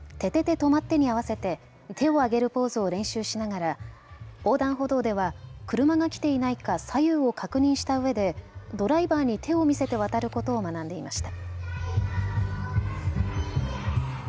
とまって！に合わせて手をあげるポーズを練習しながら横断歩道では車が来ていないか左右を確認したうえでドライバーに手を見せて渡ることを学んでいました。